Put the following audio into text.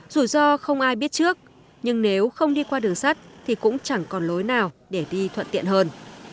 dù do không ai biết trước nhưng nếu không đi qua đường sắt thì cũng chẳng còn lối nào để đi thuận tiện hơn